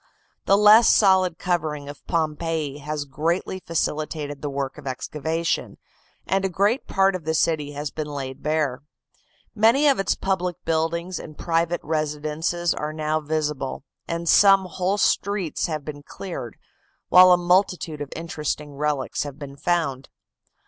The less solid covering of Pompeii has greatly facilitated the work of excavation, and a great part of the city has been laid bare. Many of its public buildings and private residences are now visible, and some whole streets have been cleared, while a multitude of interesting relics have been found.